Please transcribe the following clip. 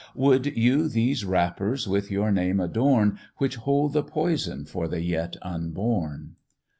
Would you these wrappers with your name adorn Which hold the poison for the yet unborn?